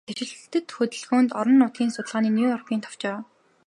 Дэвшилтэт хөдөлгөөнд, орон нутгийн судалгааны Нью-Йоркийн товчоо